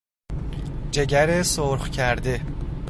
جگر سرخ کرده